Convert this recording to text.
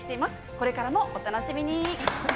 これからもお楽しみに。